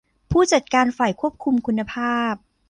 ผู้จัดการฝ่ายควบคุมคุณภาพ